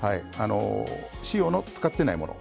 塩の使ってないもの。